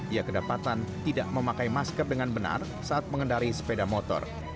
ia kedapatan tidak memakai masker dengan benar saat mengendari sepeda motor